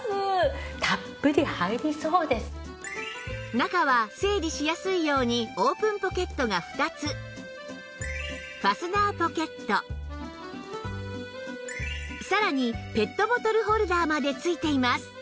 中は整理しやすいようにオープンポケットが２つファスナーポケットさらにペットボトルホルダーまで付いています